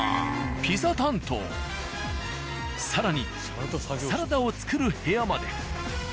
更にサラダを作る部屋まで。